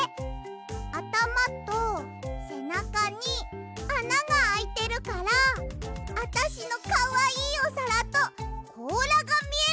あたまとせなかにあながあいてるからあたしのかわいいおさらとこうらがみえるんだよ！